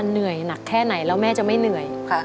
เหนื่อยหนักแค่ไหนแล้วแม่จะไม่เหนื่อย